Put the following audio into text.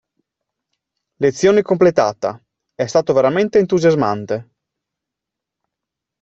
Lezione completata, è stato veramente entusiasmante.